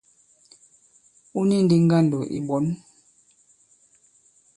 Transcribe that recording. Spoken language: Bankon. Wu ni ndī ŋgandò ì ɓɔ̌n.